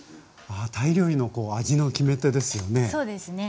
ああタイ料理の味の決め手ですよね。